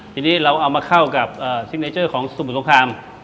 เฉดีเราเอามาเข้ากับซิงเนเชอร์ของสุมุดสงคราม